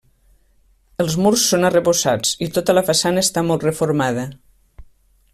Els murs són arrebossats i tota la façana està molt reformada.